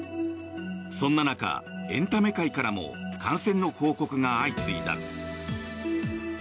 そんな中、エンタメ界からも感染の報告が相次いだ。